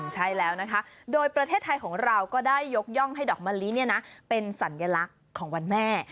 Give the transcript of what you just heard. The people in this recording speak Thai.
ใช่แล้วนะคะโดยประเทศไทยของเราก็ได้ยกย่องให้ดอกมะลิเป็นสัญลักษณ์ของวันแม่